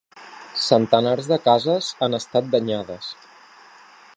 Centenars de cases han estat danyades.